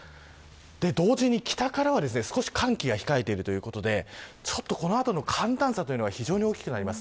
同時に北からは寒気が控えているということでこの後の寒暖差が非常に大きくなります。